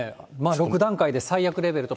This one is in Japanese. ６段階で最悪レベルと。